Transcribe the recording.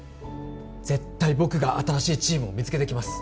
絶対僕が新しいチームを見つけてきます